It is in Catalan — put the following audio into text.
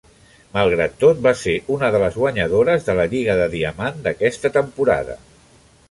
Malgrat tot, va ser una de les guanyadores de la Lliga de Diamant d'aquesta temporada.